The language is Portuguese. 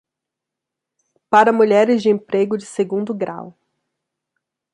Para mulheres de emprego de segundo grau